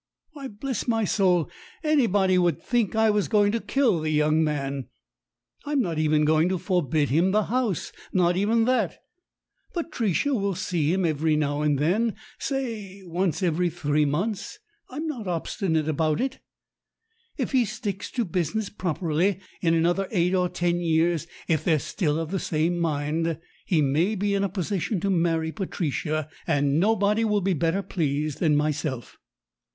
Why, bless my soul, anybody would think I was going to kill the young man. I'm not even going to forbid him the house not even that. Patricia will see him every now and then, say once every three months. I'm not obstinate about it. If he sticks to business properly, in another eight or ten years if they're still of the same mind he may be in a position to marry Patricia, and nobody will be better pleased than myself.